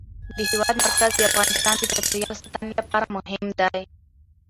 د هېواد مرکز د افغانستان د چاپیریال ساتنې لپاره مهم دي.